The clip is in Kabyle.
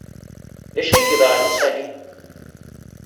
D acu ay yeḍran a Sally?